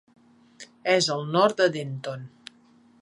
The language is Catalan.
És al nord de Denton.